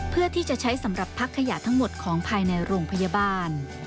เพื่อที่จะใช้สำหรับพักขยะทั้งหมดของภายในโรงพยาบาล